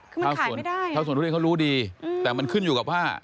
คือมันขายไม่ได้ท่าสวนทุเรียนเขารู้ดีแต่มันขึ้นอยู่กับว่า